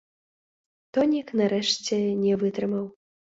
Тонік нарэшце не вытрымаў.